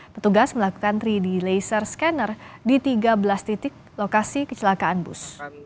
petugas melakukan tiga d laser scanner di tiga belas titik lokasi kecelakaan bus